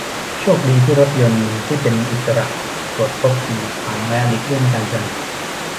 โชคดีที่รถยนต์ที่เป็นอิสระตรวจพบสิ่งกีดขวางและหลีกเลี่ยงการชน